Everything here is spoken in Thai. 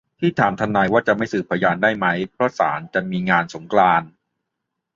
ที่ถามทนายว่าจะไม่สืบพยานได้ไหมเพราะศาลจะมีงานสงกรานต์